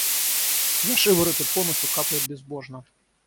И за шиворот и по носу каплет безбожно.